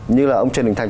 như là ông trần đình thành